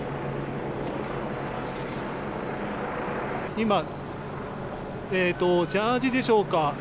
今、ジャージーでしょうか。